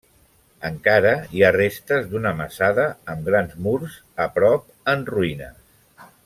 Encara hi ha restes d'una masada amb grans murs a prop, en ruïnes.